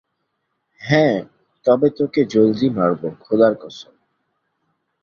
হ্যাঁ, তবে তোকে জলদিই মারবো, খোদার কসম।